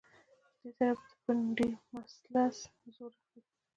د دې سره به د پنډۍ مسلز زور اخلي